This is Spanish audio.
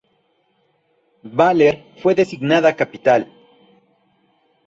Baler fue designada capital.